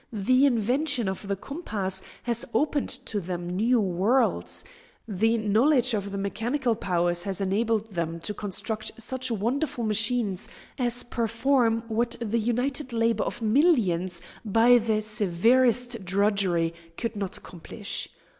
The invention of the compass has opened to them new worlds. The knowledge of the mechanical powers has enabled them to construct such wonderful machines as perform what the united labour of millions by the severest drudgery could not accomplish.